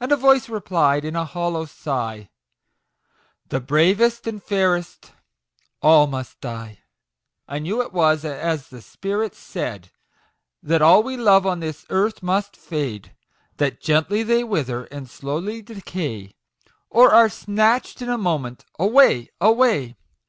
And a voice replied, in a hollow sigh, " The bravest and fairest, all all must die !"I knew it was as the spirit said, That all we love on this earth must fade ; That gently they wither, and slowly decay, Or are snatch'd in a moment away, away